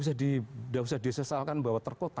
tidak usah disesalkan bahwa terkota